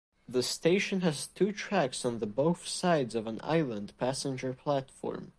The station has two tracks on the both sides of an island passenger platform.